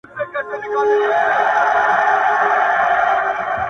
پــــر مـــخ د هــــر چــــا دروازې تـــــــړلـــــــي،